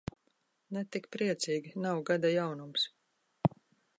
Ne tik priecīgi, nav gada jaunums.